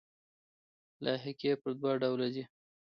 لاحقې پر دوه ډوله دي.